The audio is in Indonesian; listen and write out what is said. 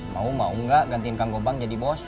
mau mau enggak gantiin kang gobang jadi bos